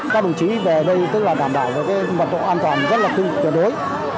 các đồng chí về đây tức là đảm bảo về cái mật độ an toàn rất là tương đối